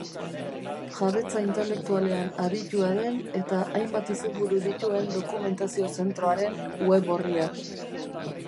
Jabetza intelektualean aditua den eta hainbat izenburu dituen dokumentazio zentroaren web orria.